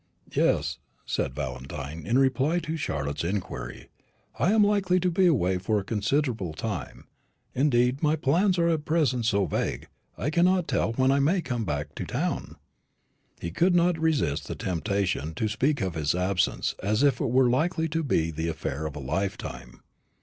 "Yes," said Valentine, in reply to Charlotte's inquiry, "I am likely to be away for a considerable time; indeed my plans are at present so vague, that I cannot tell when I may come back to town." He could not resist the temptation to speak of his absence as if it were likely to be the affair of a lifetime.